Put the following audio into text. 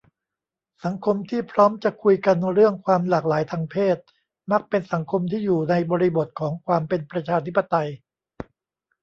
สังคมที่พร้อมจะคุยกันเรื่องความหลากหลายทางเพศ มักเป็นสังคมที่อยู่ในบริบทของความเป็นประชาธิปไตย